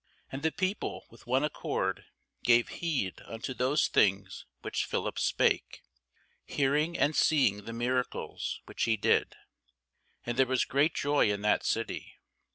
And the people with one accord gave heed unto those things which Philip spake, hearing and seeing the miracles which he did. And there was great joy in that city.